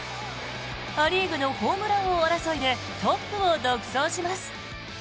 ア・リーグのホームラン王争いでトップを独走します。